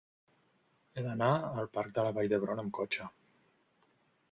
He d'anar al parc de la Vall d'Hebron amb cotxe.